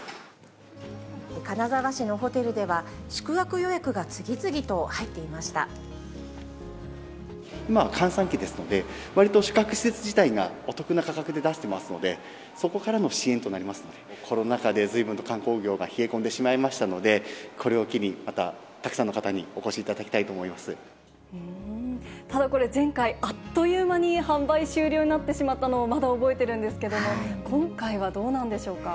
金沢市のホテルでは、宿泊予今は閑散期ですので、わりと宿泊施設自体がお得な価格で出してますので、そこからの支援となりますので、コロナ禍でずいぶんと観光業が冷え込んでしまいましたので、これを機に、またたくさんの方にお越しいただただ、これ、前回、あっという間に販売終了になってしまったのをまだ覚えているんですけれども、今回はどうなんでしょうか。